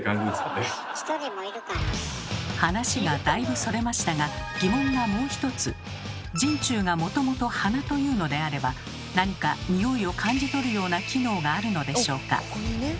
話がだいぶそれましたが人中がもともと鼻というのであれば何かニオイを感じ取るような機能があるのでしょうか？